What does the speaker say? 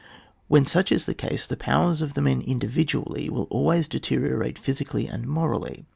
When such is the case the powers of the men individually will always deteriorate physically and morally.